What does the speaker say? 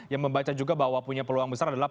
yang membaca juga bahwa punya peluang besar adalah